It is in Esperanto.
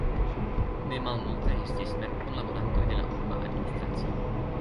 Ne malmultaj estis mem kunlaborantoj de la urba administracio.